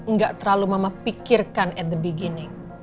nggak terlalu mama pikirkan at the beginning